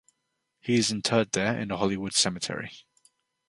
He is interred there in the Hollywood Cemetery.